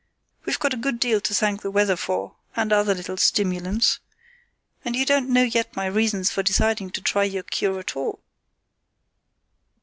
We've got a good deal to thank the weather for, and other little stimulants. And you don't know yet my reasons for deciding to try your cure at all."